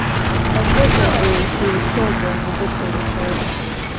Unfortunately, he was killed during the dictatorship.